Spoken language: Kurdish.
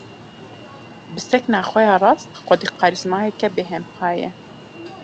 Bi sekna xwe ya rast, xwedî karîzmayeke bêhempa ye.